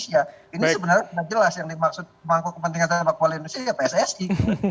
ya ini sebenarnya sudah jelas yang dimaksud pemangku kepentingan sepak bola indonesia ya pssi